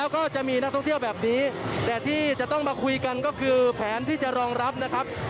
ก็จะมีนักท่องเที่ยวแบบนี้แต่ที่จะต้องมาคุยกันก็คือแผนที่จะรองรับนะครับ